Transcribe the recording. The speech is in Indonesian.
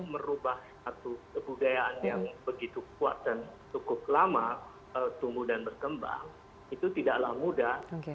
merubah satu kebudayaan yang begitu kuat dan cukup lama tumbuh dan berkembang itu tidaklah mudah